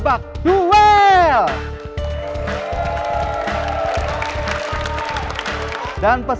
dan peserta masing masing akan saling menang